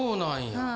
はい。